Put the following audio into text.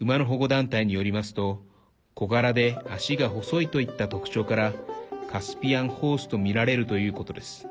馬の保護団体によりますと小柄で足が細いといった特徴からカスピアンホースとみられるということです。